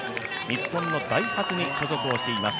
日本のダイハツに所属しています